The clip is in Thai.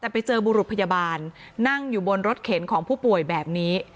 แต่ไปเจอบุรุษพยาบาลนั่งอยู่บนรถเข็นของผู้ป่วยแบบนี้